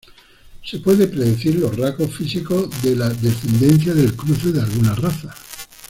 Se pueden predecir los rasgos físicos de la descendencia del cruce de algunas razas.